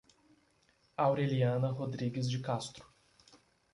Aureliana Rodrigues de Castro